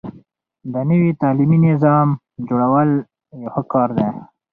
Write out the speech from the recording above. د نوي تعليمي نظام جوړول يو ښه کار دی.